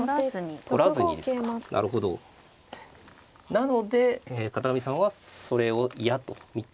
なので片上さんはそれを嫌と見て。